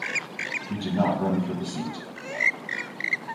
He did not run for the seat.